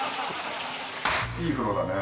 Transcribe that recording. いい風呂だね。